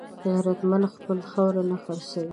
غیرتمند خپله خاوره نه خرڅوي